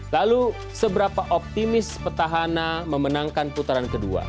lalu seberapa optimis petahana memenangkan putaran kedua